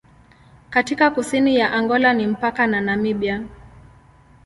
Katika kusini ya Angola ni mpaka na Namibia.